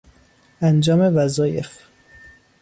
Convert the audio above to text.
انجام وظایف